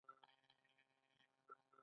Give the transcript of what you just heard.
آیا پښتونولي د غیرت درس نه دی؟